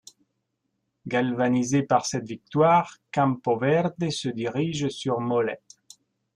Galvanisé par cette victoire, Campoverde se dirige sur Mollet.